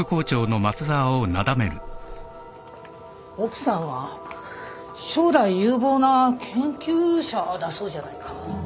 奥さんは将来有望な研究者だそうじゃないか。